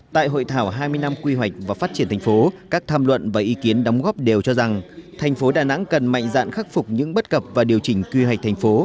tại hội thảo hai mươi năm quy hoạch và phát triển thành phố các tham luận và ý kiến đóng góp đều cho rằng thành phố đà nẵng cần mạnh dạn khắc phục những bất cập và điều chỉnh quy hoạch thành phố